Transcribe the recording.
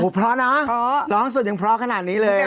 เพราะเนอะร้องสุดยังเพราะขนาดนี้เลย